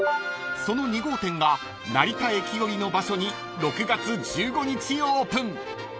［その２号店が成田駅寄りの場所に６月１５日オープン］